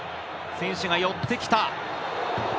選手が寄ってきた。